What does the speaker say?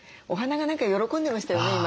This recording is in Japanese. お花が何か喜んでましたよね